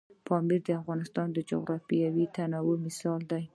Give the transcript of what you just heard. پامیر د افغانستان د جغرافیوي تنوع مثال دی.